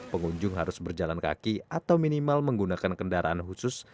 pengunjung harus berjalan kaki atau minimal menggunakan kendaraan khusus